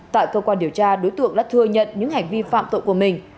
tại cơ quan điều tra đối tượng đã thừa nhận những hành vi phạm tội của mình